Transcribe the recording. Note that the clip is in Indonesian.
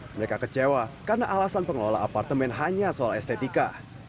mereka kecewa karena alasan pengelola apartemen hanya soal estetika